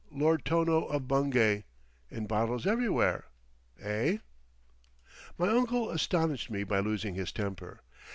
Lord Tono of Bungay—in bottles everywhere. Eh?" My uncle astonished me by losing his temper.